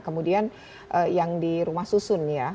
kemudian yang di rumah susun ya